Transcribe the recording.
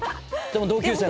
でも同級生。